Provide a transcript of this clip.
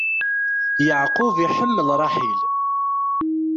Yeɛqub iḥemmel Ṛaḥil.